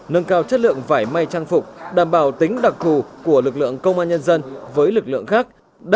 nâng cao chất lượng vải may trang phục đảm bảo tính đặc thù của lực lượng công an nhân dân với lực lượng khác